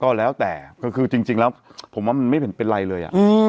ก็แล้วแต่คือจริงแล้วผมว่ามันไม่เห็นเป็นไรเลย